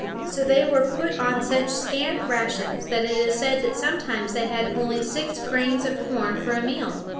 So they were put on such scant rations that it is said they sometimes had only six grains of corn for a meal!